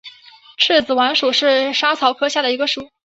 刺子莞属是莎草科下的一个属。